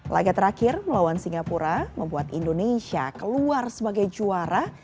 laga terakhir melawan singapura membuat indonesia keluar sebagai juara